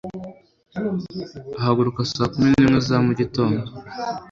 Uhaguruka saa kumi nimwe za mugitondo.